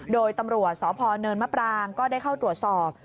โดยตำรวจสพเนินมะปรางก็ได้เข้าตรวจสอบ